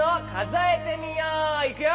いくよ。